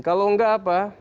kalau nggak apa